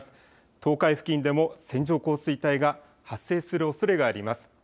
東海付近でも線状降水帯が発生するおそれがあります。